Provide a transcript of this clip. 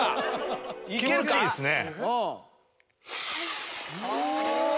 気持ちいいですね。